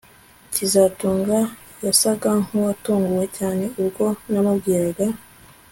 kazitunga yasaga nkuwatunguwe cyane ubwo namubwiraga